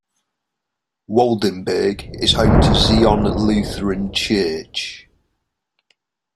Waldenburg is home to Zion Lutheran Church.